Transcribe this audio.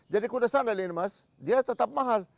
jadi kuda sandal ini mas dia tetap mahal